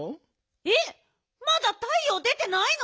えっまだたいよう出てないの？